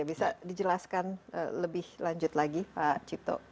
bisa dijelaskan lebih lanjut lagi pak cipto